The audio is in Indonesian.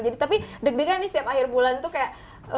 jadi tapi deg degan nih setiap akhir bulan tuh kayak